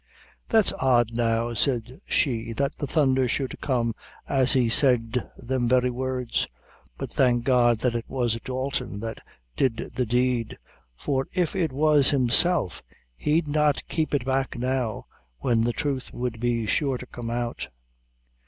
"That's odd, now," said she, "that the thunder should come as he said them very words; but thank God that it was Dalton that did the deed, for if it was himself he'd not keep it back now, when the truth would be sure to come out."